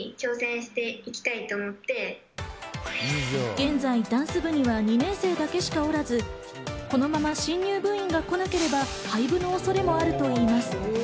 現在ダンス部には２年生だけしかおらず、このまま新入部員が来なければ廃部の恐れもあるといいます。